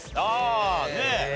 ああねえ。